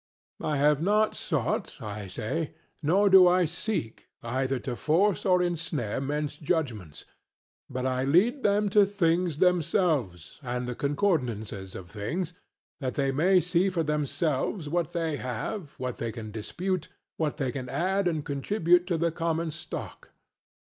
I have not sought (I say) nor do I seek either to force or ensnare men's judgments, but I lead them to things themselves and the concordances of things, that they may see for themselves what they have, what they can dispute, what they can add and contribute to the common stock.